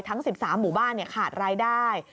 ทั้ง๑๓หมู่บ้านขาดรายได้